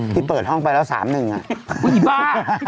อ๋อเธอเปิดห้องไปแล้ว๓บาทหนึ่งอย่างนั้น